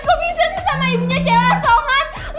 kok bisa sih sama ibu nya cewek asongan